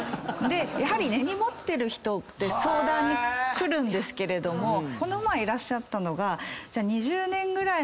やはり根に持ってる人って相談に来るんですけれどもこの前いらっしゃったのが。